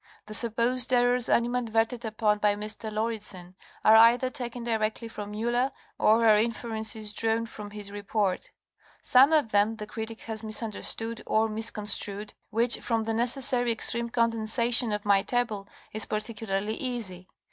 The sup posed errors animadverted upon by Mr. Lauridsen are either taken directly from Miller, or are inferences drawn from his report. Some of them the critic has misunderstood or misconstrued, which from the necessarily extreme condensation of my table is particularly easy.